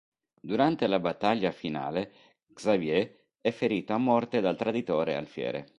Durante la battaglia finale, Xavier è ferito a morte dal traditore Alfiere.